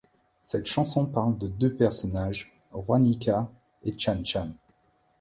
Cette chanson parle de deux personnages, Juanica et Chan Chan.